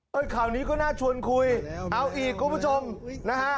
ข่าวนี้ก็น่าชวนคุยเอาอีกคุณผู้ชมนะฮะ